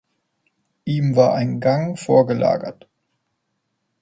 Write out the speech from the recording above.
Ihm war ein Gang vorgelagert.